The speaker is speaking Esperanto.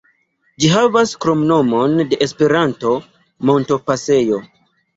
Ĝi havas kromnomon de Esperanto, "Montopasejo".